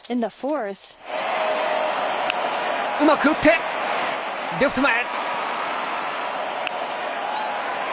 うまく打って、レフト前。